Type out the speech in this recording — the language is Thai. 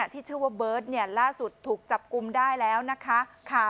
ที่ชื่อว่าเบิร์ตล่าสุดถูกจับกลุ่มได้แล้วนะคะ